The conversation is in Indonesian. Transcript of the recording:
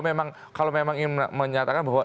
memang kalau memang ingin menyatakan bahwa